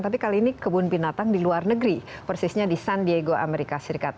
tapi kali ini kebun binatang di luar negeri persisnya di san diego amerika serikat